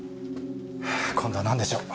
はぁ今度は何でしょう？